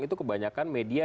itu kebanyakan media